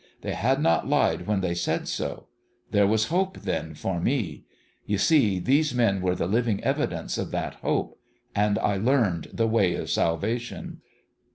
They had not lied when they said so. There was hope, then, for me. You see, these men were the living evidence of that hope. And I learned ' the way of salvation.'